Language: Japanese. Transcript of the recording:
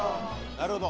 なるほど！